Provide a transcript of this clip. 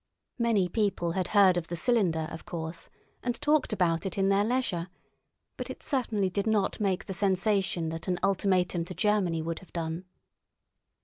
Many people had heard of the cylinder, of course, and talked about it in their leisure, but it certainly did not make the sensation that an ultimatum to Germany would have done.